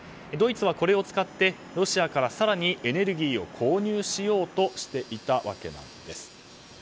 ドイツはこれを使ってロシアから更にエネルギーを購入しようとしていたわけなんです。